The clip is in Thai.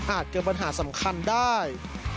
เกิดปัญหาสำคัญได้